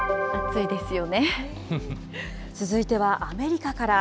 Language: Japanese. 続いてはアメリカから。